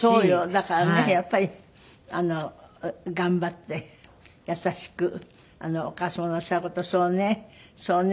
だからねやっぱり頑張って優しくお母様のおっしゃる事「そうねそうね」。